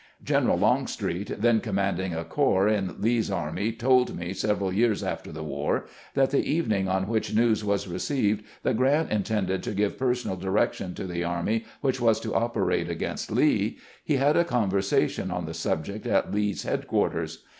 General Longstreet, then commanding a corps in Lee's army, told me, several years after the war, that the evening on which news was received that Grant intended to give personal direction to the army which was to operate against Lee, he had a conversation on the sub ject at Lee's headquarters.